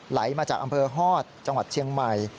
ไหลมาจากอำเภอฮอตจังหวัดเชียงใหม่